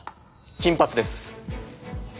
金髪です。